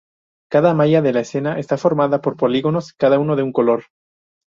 Cada malla de la escena está formada por polígonos, cada uno de un color.